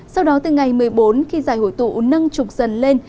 sau đó từ ngày một mươi bốn khi giải hội tụ nâng trục dần lên